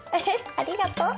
ありがとう。